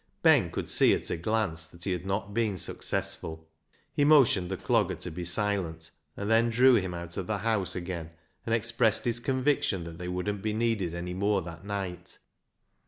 Ben could see at a glance that he had not been successful. He motioned the Clogger to be silent, and then drew him out of the house again and expressed his conviction that they wouldn't be needed any more that night.